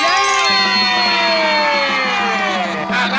ถ่าย